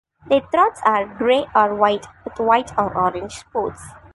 Their throats are grey or white with white or orange spots.